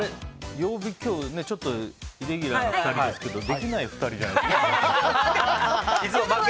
曜日、今日ちょっとイレギュラーな２人ですけどできない２人じゃないですか？